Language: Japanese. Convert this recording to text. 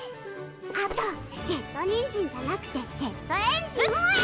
あとジェットにんじんじゃなくてジェットエンジうえ！